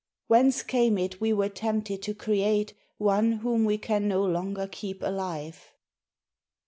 Whence came it we were tempted to create One whom we can no longer keep alive?